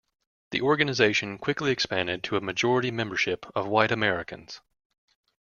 The organization quickly expanded to a majority membership of white Americans.